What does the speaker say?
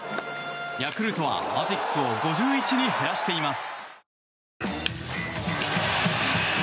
ヤクルトはマジックを５１に減らしています。